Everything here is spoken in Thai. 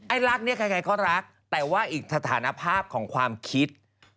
รักเนี่ยใครก็รักแต่ว่าอีกสถานภาพของความคิด